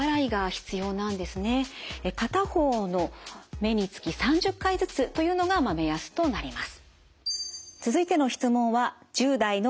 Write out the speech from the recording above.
片方の目につき３０回ずつというのが目安となります。